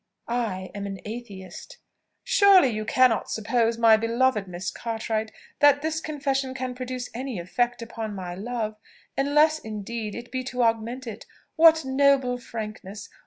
I am an Atheist." "Surely you cannot suppose, my beloved Miss Cartwright, that this confession can produce any effect upon my love, unless indeed it be to augment it. What noble frankness!